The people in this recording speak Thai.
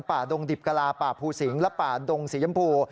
ดงดิบกะลาป่าภูสิงและป่าดงสียำพู